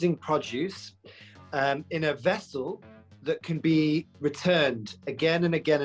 agrikultura yang berkembang